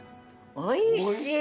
おいしい！